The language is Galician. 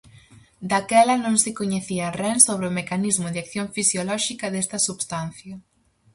Daquela non se coñecía ren sobre o mecanismo de acción fisiolóxica desta substancia.